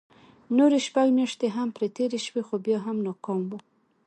نورې شپږ مياشتې هم پرې تېرې شوې خو بيا هم ناکام وو.